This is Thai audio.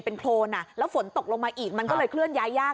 เป็นโครนแล้วฝนตกลงมาอีกมันก็เลยเคลื่อนย้ายยาก